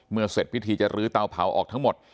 เสร็จพิธีจะลื้อเตาเผาออกทั้งหมด